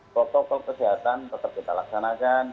ketua tua kesehatan tetap kita laksanakan